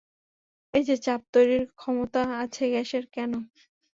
এই যে চাপ তৈরির ক্ষমতা আছে গ্যাসের, কেন?